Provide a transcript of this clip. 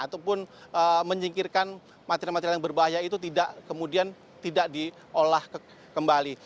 ataupun menyingkirkan material material yang berbahaya itu tidak kemudian tidak diolah kembali